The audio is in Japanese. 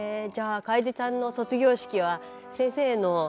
じゃあ楓さんの卒業式は先生の。